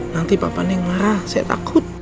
nanti papa neng marah saya takut